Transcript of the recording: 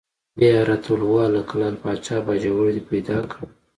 بیا یې را ته وویل: وهلکه لعل پاچا باجوړ دې پیدا کړ؟!